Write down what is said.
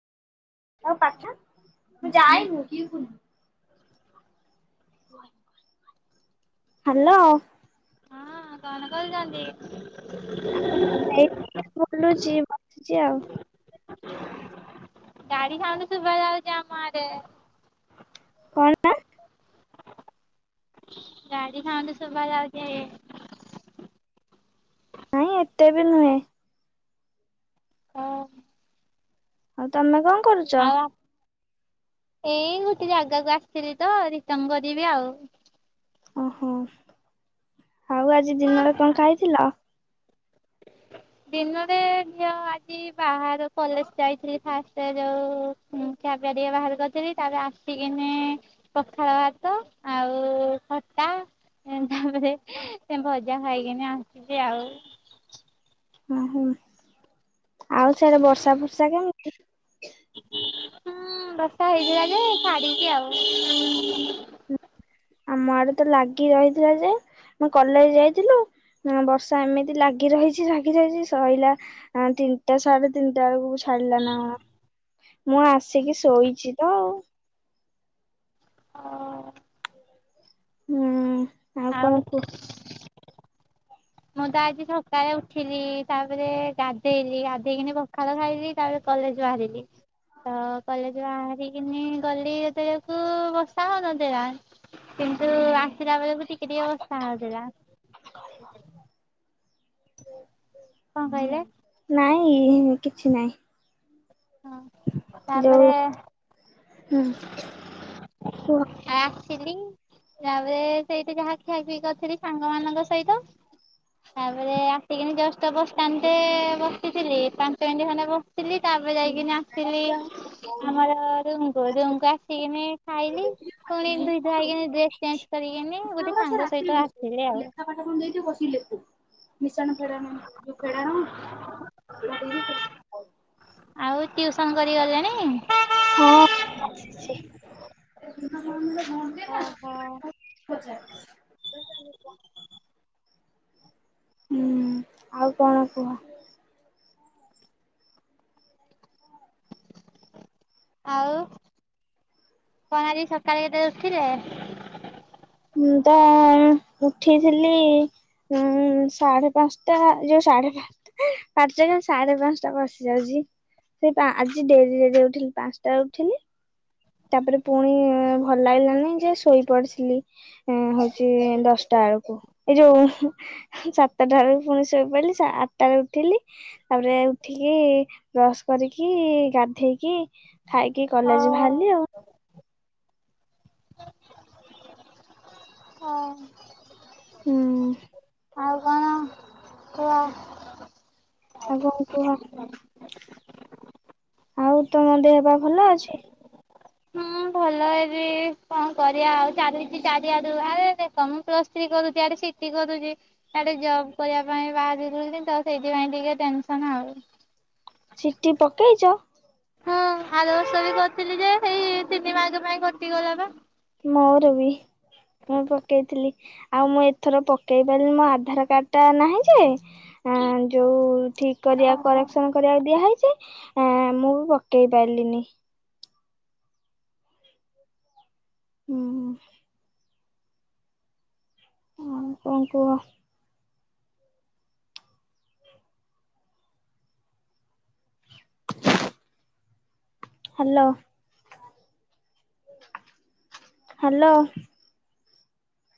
ଆଉ ପାଠ? ହାଲୋ। ହଁ କଣ କରୁଚନ୍ତି? ଏଇଟି ଟିକେ ବୁଲୁଚି ବସିଛି ଆଉ। ଗାଡି ସାଉଣ୍ଡ ଶୁଭା ଯାଉଚି ଆମ ଆଡେ। କଣ ଟା? ଗାଡି ସାଉଣ୍ଡ ଶୁଭା ଯାଉଚି। ନାଇଁ ଏତେ ବି ନୁହେଁ। ଆଉ ତମେ କଣ କରୁଛ? ଆଉ ଏଇ ଗୋଟେ ଜାଗାକୁ ଆସିଥିଲି ତ ରିଟର୍ଣ କରିବି ଆଉ। ଓହୋ ଆଉ ଆଜି ଦିନରେ କଣ ଖାଇଥିଲ? ଦିନରେ ଝିଅ ଆଜି ବାହାରୁ କଲେଜ୍ ଯାଇଥିଲି ଫାଷ୍ଟ ଯୋଉ ଖିଆପିଆ ଟିକେ ବାହାରେ କରିଥିଲି ତାପରେ ଆସିକିନି ପଖାଳ ଭାତ ଆଉ ଖଟା। ତାପରେ ସେ ଭଜା ଖାଇକିନି ଆସିଛି ଆଉ। ଓହୋ ଆଉ ସେଆଡେ ବର୍ଷା ଫର୍ଷା କେମିତି? ହୁଁ ବର୍ଷା ହେଇଥିଲା ଯେ ଛାଡିଚି ଆଉ। ଆମ ଆଡେ ତ ଲାଗି ରହିଥିଲା ଯେ, ମୁଁ କଲେଜ୍ ଯାଇଥିଲୁ। ନା ବର୍ଷା ଏମିତି ଲାଗି ରହିଛି ଲାଗି ରହିଛି ସଇଲା। ହଁ ତିନିଟା ସାଢେ ତିନିଟା ବେଳକୁ ଛାଡିଲା ନା କଣ। ମୁଁ ଆସିକି ଶୋଇଛି ତ ଆଉ। ଅ। ହୁଁ ଆଉ କଣ କୁହ? ମୁଁ ତ ଆଜି ସକାଳେ ଉଠିଲି ତାପରେ ଗାଧେଇଲି, ଗାଧେଇକିନି ପଖାଳ ଖାଇଲି ତାପରେ କଲେଜ୍ ବାହାରିଲି। ତ କଲେଜରୁ ବାହାରିକିନି ଗଲି ଯେତେବେଳକୁ ବର୍ଷା ହଉନଥେଲା। କିନ୍ତୁ ଆସିଲା ବେଳକୁ ଟିକେ-ଟିକେ ବର୍ଷା ହଉଥିଲା। କଣ ହୁଁ ନା କହିଲେ ନାଇଁ କିଛି ନାଇଁ। ହଁ ଦୋ ତାପରେ ହୁଁ। କୁହ। ଆସିଲି। ତାପରେ ସେଇଠି ଯାହା ଖିଆ ପିଇ କରିଥିଲି ସାଙ୍ଗ ମାନଙ୍କ ସହିତ ତାପରେ ଆସିକିନି ଜଷ୍ଟ ବସଷ୍ଟାଣ୍ଡେ ବସିଥିଲି ପାଞ୍ଚ ମିନିଟ୍ ଖଣ୍ଡେ ବ ଥିଲି ତାପରେ ଯାଇକିନି ଆସିଲି ଆମର ରୁମକୁ ରୁମକୁ ଆସିକିନି ଖାଇଲି ପୁଣି ଧୁଇ ଧୁଆ ହେଇକିନି ଡ୍ରେସ୍ ଚେଞ୍ଜ୍ କରିକିନି ଗୋଟେ ସାଙ୍ଗ ସହିତ ଆସିଲି ଆଉ। ପାଠ କଣ ଦେଇଚି ବସିକି ଲେଖୁ। ମିଶାଣ ଫେଡାଣ ଯୋଉ ଫେଡାଣ ଏୟା ଦେଇ ଆଉ ଟ୍ୟୁସନ୍ କରି ଗଲେଣି? ହଁ ଆସିଛି। ଓ ହ ପଚାର୍। [unintelligible] ହୁଁ ଆଉ କଣ କୁହ? ଆଉ କଣ ଆଜି ସକାଳେ କେତେବେଳେ ଉଠିଲେ? ମୁଁ ତ ଉଠିଥିଲି। ହୁଁ ସାଢେ ପାଞ୍ଚଟା ଯୋଉ ସାଢେ ପାଞ୍ଚ୍। ଏଁ ପାଟିରେ ଖାଲି ସାଢେ ପାଞ୍ଚଟା ପଶି ଯାଉଚି। ସେଇ ପା ଆଜି ଡେରି ଡେରି ରେ ଉଠଲି ପାଞ୍ଚଟାରେ ଉଠିଲି। ତାପରେ ପୁଣି ଭଲ ଲାଗିଲାନି ଯେ ଶୋଇ ପଡିସିଲି। ହୁଁ ହଉଚି ଦଶଟା ବେଳୁକୁ ଏଇ ଯୋଉ ସାତଟା ବେଳକୁ ପୁଣି ଶୋଇପଡିଲି ସା ଆଠଟା ରେ ଉଠିଲି। ତାପରେ ଉଠିକି ବ୍ରସ୍ କରିକି ଗାଧେଇକି ଖାଇକି ଓ କଲେଜ ଭା ଭାରଲି ଆଉ। ହ ହୁଁ। ଆଉ କଣ? [unintelligible] ଆଉ କଣ କୁହ? ଆଉ ତମ ଦେହ ପା ଭଲ ଅଛି? ହୁଁ ଭଲ। ଲେ ବି କଣ କରିବା ଆଉ ଚାଲିଚି ଚାରିଆଡୁ ଆରେ ଦେଖ ମୁଁ ପ୍ଲସ୍ ଥ୍ରୀ କରୁଛି ଆଡେ। ଥ୍ରୀ କରୁଚି ଆଡେ ଜବ୍ କରିବା ପାଇଁ ବାହାରିବି ଯେତେବେଳେ କେମିତି ହବ ସେଥିପାଇଁ ଟିକେ ଟେନସନ ଆଉ। ଚିଠି ପକେଇଚ? ହଁ ଆର ବର୍ଷ ବି କରିଥିଲି ଯେ ଏଇ ତିନି ମାଗ ପାଇଁ କଟିଗଲା ବା। ମୋର ବି। ମୁଁ ପକେଇଥିଲି ଆଉ ମୁଁ ଏଥର ପକେଇ ପାଇଲିନି ମୋ ଆଧାର କାର୍ଡ ଟା ନାହିଁ ଯେ ଅଁ ଯୋଉ ଠିକ୍ କରିବା କରେକ୍ସନ କରିବାକୁ ଦିଆହେଇଚି। ହଁ ମୁଁ ବି ପକେଇ ପାଇଲିନି। ହୁଁ ହୁଁ। ଆଉ କଣ କୁହ? ହ୍ୟାଲୋ। ହ୍ୟାଲୋ।